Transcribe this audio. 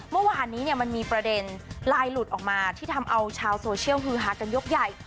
เมื่อวานนี้มันมีประเด็นไลน์หลุดออกมาที่ทำเอาชาวโซเชียลฮือฮากันยกใหญ่